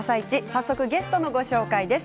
早速ゲストのご紹介です。